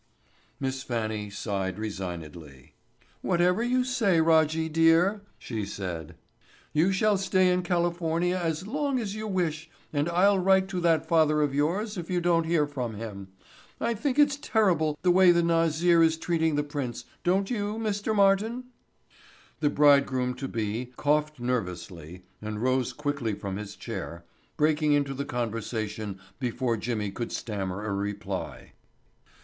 Miss Fannie sighed resignedly. "Whatever you say, Rajjy dear," she said. "You shall stay in California as long as you wish and I'll write to that father of yours if you don't hear from him. I think it's terrible the way the Nazir is treating the prince, don't you, Mr. Martin?" The bridegroom to be coughed nervously and rose quickly from his chair, breaking into the conversation before Jimmy could stammer a reply.